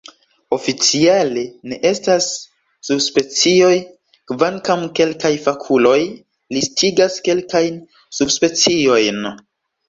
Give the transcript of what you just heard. Oficiale, ne estas subspecioj, kvankam kelkaj fakuloj listigas kelkajn subspeciojn.